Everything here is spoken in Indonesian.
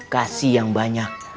kasi yang banyak